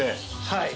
はい。